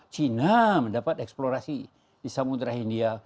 china mendapat eksplorasi di samudera india